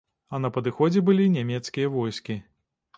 А на падыходзе былі нямецкія войскі.